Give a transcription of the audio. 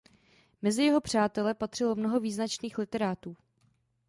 Mezi jeho přátele patřilo mnoho význačných literátů.